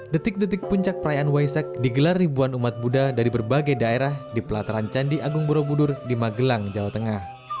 detik detik puncak perayaan waisak digelar ribuan umat buddha dari berbagai daerah di pelataran candi agung borobudur di magelang jawa tengah